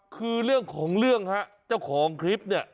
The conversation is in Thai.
คือเรื่องของเรื่องเจ้าของคลิป